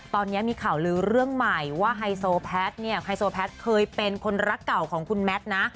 ตอนนี้มีข่าวลือเรื่องใหม่ว่าไฮโซแพทย์เนี่ยไฮโซแพทย์เคยเป็นคนรักเก่าของคุณแมทนะ